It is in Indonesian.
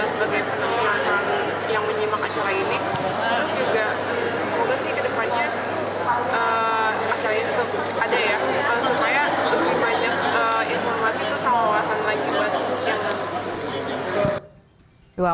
supaya lebih banyak informasi selawatan lagi buat yang menonton